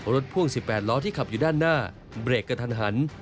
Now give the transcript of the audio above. พ่วง๑๘ล้อที่ขับอยู่ด้านหน้าเบรกกระทันหัน